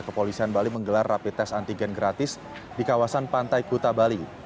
kepolisian bali menggelar rapid test antigen gratis di kawasan pantai kuta bali